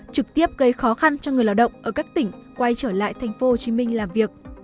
trực tiếp gây khó khăn cho người lao động ở các tỉnh quay trở lại thành phố hồ chí minh làm việc